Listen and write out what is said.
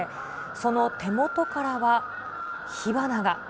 その手元からは火花が。